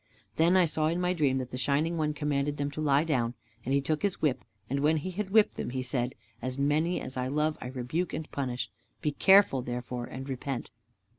Then I saw in my dream that the Shining One commanded them to lie down. And he took his whip, and when he had whipped them he said, "As many as I love I rebuke and punish, be careful therefore and repent."